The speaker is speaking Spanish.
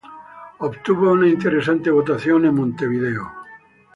Obtuvo una interesante votación en Montevideo.